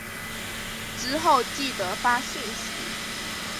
之后记得发讯息